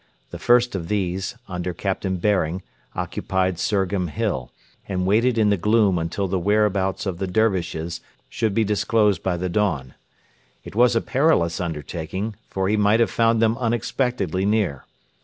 The first of these, under Captain Baring, occupied Surgham Hill, and waited in the gloom until the whereabouts of the Dervishes should be disclosed by the dawn. It was a perilous undertaking, for he might have found them unexpectedly near.